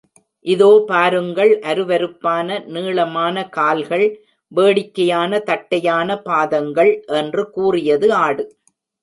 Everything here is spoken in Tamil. இதோ பாருங்கள், அருவருப்பான, நீளமான கால்கள், வேடிக்கையான தட்டையான பாதங்கள்? என்று கூறியது ஆடு.